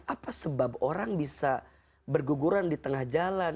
apa sebab orang bisa berguguran di tengah jalan